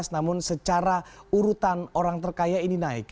namun secara urutan orang terkaya ini naik